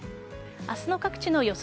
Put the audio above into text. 明日の各地の予想